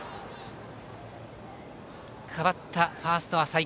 代わったファーストの浅井。